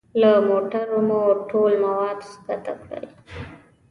له موټرو مو ټول مواد ښکته کړل.